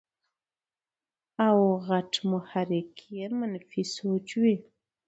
او غټ محرک ئې منفي سوچ وي -